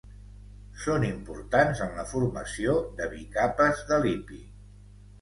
Són importants en la formació de bicapes de lípid.